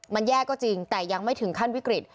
มันแย่ก็จริงแต่ยังไม่ถึงขั้นวิกฤต